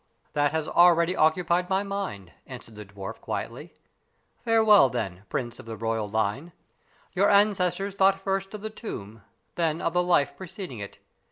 "That has already occupied my mind," answered the dwarf, quietly. "Farewell, then, prince of a royal line. Your ancestors thought first of the tomb, then of the life preceding it.